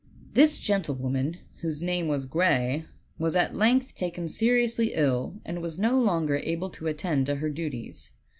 This gentlewoman, whose name was Gray, was at length taken seriously ill, and was no longer able to attend to her duties.